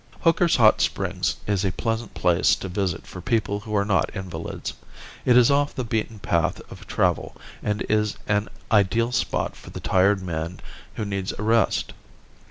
Hooker's hot springs is a pleasant place to visit for people who are not invalids. It is off the beaten path of travel and is an ideal spot for the tired man who needs a rest.